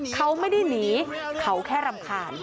เขาไม่ได้หนีเขาแค่รำคาญ